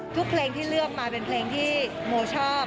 เพลงที่เลือกมาเป็นเพลงที่โมชอบ